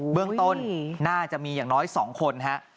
เรื่องต้นน่าจะมีอย่างน้อย๒คนฮะ